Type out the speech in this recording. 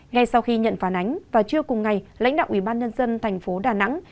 ngay sau khi nhận phản ánh vào trưa cùng ngày lãnh đạo ủy ban nhân dân tp đà nẵng